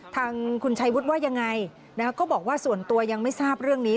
ทางคุณชัยวุฒิว่ายังไงก็บอกว่าส่วนตัวยังไม่ทราบเรื่องนี้